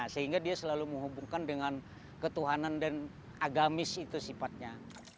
sehingga dia selalu menghubungkan dengan ketuhanan dan agamis itu sifatnya